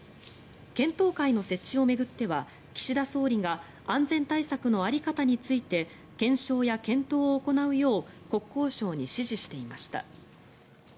検討会の設置を巡っては岸田総理が安全対策の在り方について検証や検討を行うよう国交省に指示していました。